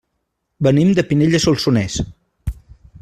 Venim de Pinell de Solsonès.